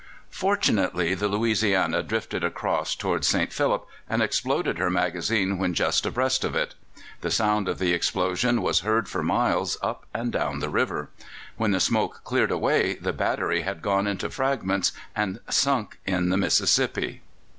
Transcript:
Fortunately, the Louisiana drifted across towards St. Philip, and exploded her magazine when just abreast of it. The sound of the explosion was heard for miles up and down the river. When the smoke cleared away the battery had gone into fragments and sunk in the Mississippi.